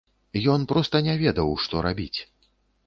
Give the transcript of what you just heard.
Ён проста не ведаў, што рабіць.